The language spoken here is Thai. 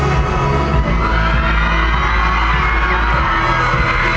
ไม่ต้องถามไม่ต้องถาม